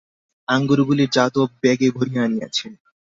আঙুরগুলি যাদব ব্যাগে ভরিয়া আনিয়াছেন।